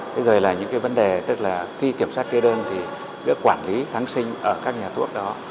thế rồi là những cái vấn đề tức là khi kiểm soát kê đơn thì giữa quản lý kháng sinh ở các nhà thuốc đó